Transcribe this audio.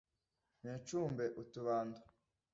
mwicumbe utubando